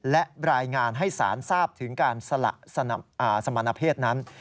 และรายงานให้ศาลทราบถึงการสละสมณเพศนั้น